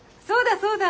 そうだ！